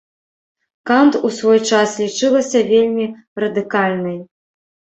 Кант ў свой час лічылася вельмі радыкальнай.